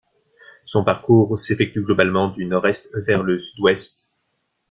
Son parcours s'effectue globalement du nord-est vers le sud-ouest.